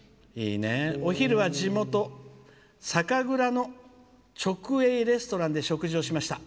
お昼は地元、酒蔵の直営レストランで食事をしました。